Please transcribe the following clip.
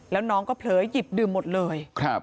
แล้วน้องก็เผลอหยิบดื่มหมดเลย